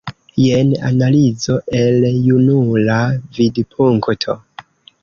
Jen analizo el junula vidpunkto.